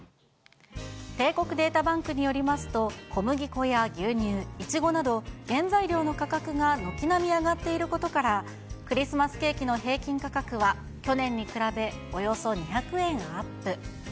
帝国データバンクによりますと、小麦粉や牛乳、イチゴなど、原材料の価格が軒並み上がっていることから、クリスマスケーキの平均価格は去年に比べ、およそ２００円アップ。